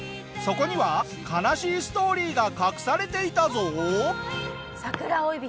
そこには悲しいストーリーが隠されていたぞ。